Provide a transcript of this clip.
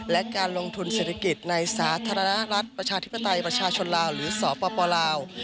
และการลงทุนเศรษฐกิจในสาธารณรัฐประชาธิปไตยประชาชนลาวหรือสปลาว